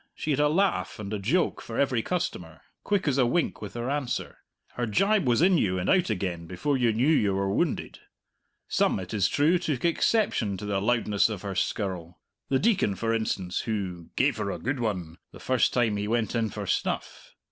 She had a laugh and a joke for every customer, quick as a wink with her answer; her gibe was in you and out again before you knew you were wounded. Some, it is true, took exception to the loudness of her skirl the Deacon, for instance, who "gave her a good one" the first time he went in for snuff.